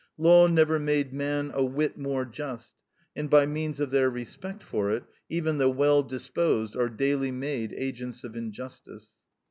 Law never made man a whit more just; and by means of their respect for it, even the well disposed are daily made agents of injustice."